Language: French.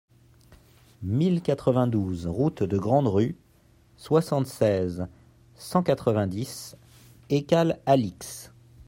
mille quatre-vingt-douze route de Grande-Rue, soixante-seize, cent quatre-vingt-dix, Écalles-Alix